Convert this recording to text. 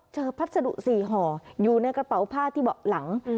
เจอพัสดุสี่ห่ออยู่ในกระเป๋าผ้าที่หลัง